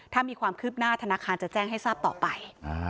ถ้ามีความคืบหน้าธนาคารจะแจ้งให้ทราบต่อไป